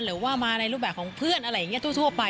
หรือว่ามาในรูปแบบของเพื่อนอะไรอย่างนี้ทั่วไป